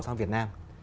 sang việt nam